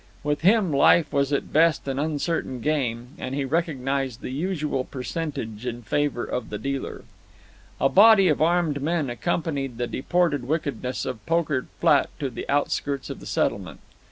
With him life was at best an uncertain game, and he recognized the usual percentage in favor of the dealer. A body of armed men accompanied the deported wickedness of Poker Flat to the outskirts of the settlement.